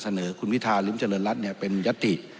เสนอคุณวิทาริมเจริญรัตน์เนี่ยเป็นยัตติ